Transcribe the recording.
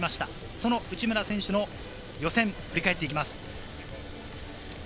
その内村選手の予選を振り返っていきます。